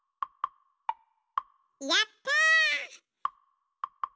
やった！